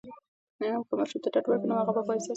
که ماشوم ته ډاډ ورکړو، نو هغه به بااحساسه سي.